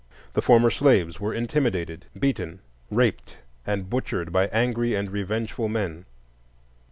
The former slaves were intimidated, beaten, raped, and butchered by angry and revengeful men.